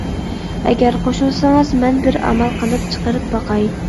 ئەگەر قوشۇلسىڭىز مەن بىر ئامال قىلىپ چىقىرىپ باقاي.